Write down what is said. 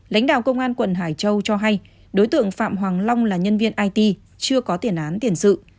lãnh đạo công an quận hải châu cho hay đối tượng phạm hoàng long là nhân viên it chưa có tiền án tiền sự